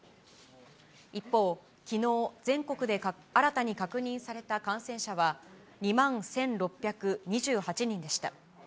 一方、きのう、全国で新たに確認された感染者は、２万１６２８人でした。